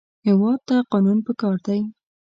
هېواد ته قانون پکار دی